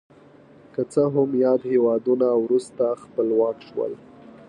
که څه هم یاد هېوادونه وروسته خپلواک شول.